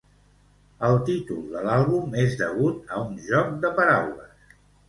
El títol de l'àlbum és degut a un joc de paraules.